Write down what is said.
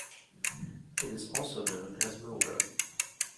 It is also known as Mill Run.